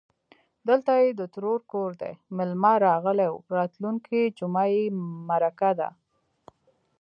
_دلته يې د ترور کور دی، مېلمه راغلی و. راتلونکې جومه يې مرکه ده.